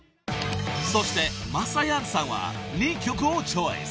［そしてまさやんさんは２曲をチョイス。